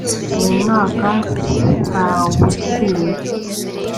mu mwaka ntawutsinda.